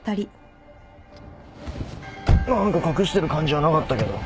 何か隠してる感じはなかったけど。